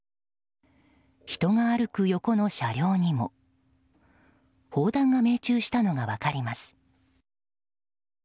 人が歩く横の車両にも砲弾が命中したのが分かります。